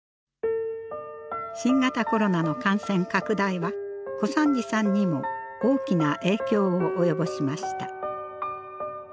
新型コロナの感染拡大は小三治さんにも大きな影響を及ぼしました。